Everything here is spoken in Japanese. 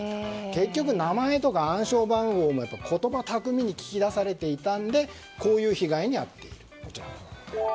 結局、名前や暗証番号も言葉巧みに聞き出されていたのでこういう被害に遭っている。